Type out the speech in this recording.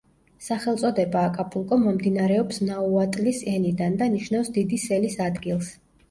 სახელწოდება „აკაპულკო“ მომდინარეობს ნაუატლის ენიდან და ნიშნავს „დიდი სელის ადგილს“.